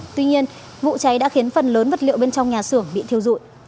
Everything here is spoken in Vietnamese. tuy nhiên vụ cháy đã khiến phần lớn vật liệu bên trong nhà xưởng bị thiêu dụi